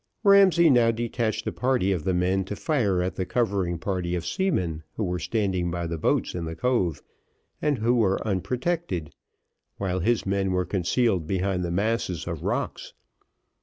Ramsay now detached a party of the men to fire at the covering party of seamen who were standing by the boats in the cove and who were unprotected, while his men were concealed behind the masses of rocks.